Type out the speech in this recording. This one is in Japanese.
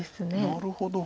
なるほど。